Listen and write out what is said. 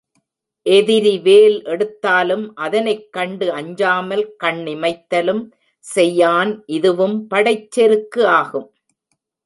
எதிரி வேல் எடுத்தாலும் அதனைக் கண்டு அஞ்சாமல் கண் இமைத்தலும் செய்யான் இதுவும் படைச்செருக்கு ஆகும்.